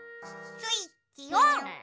スイッチオン！